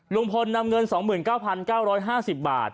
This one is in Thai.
ลุงพลนำเงิน๒๙๙๕๐บาท